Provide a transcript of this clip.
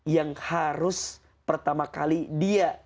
yang harus pertama kali dia